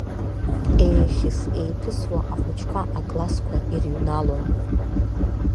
Еихьыс-еиԥысуа ахәыҷқәа аклассқәа ирыҩналон.